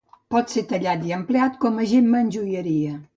Pot ser tallat i empleat com a gemma en joieria.